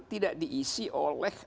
tidak diisi oleh